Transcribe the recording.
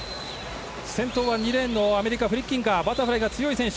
先頭は２レーンアメリカのフリッキンガーバタフライが強い選手。